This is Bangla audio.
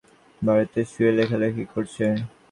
বাড়িতে শুয়ে লেখালেখি করছে।